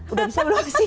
udah bisa belum sih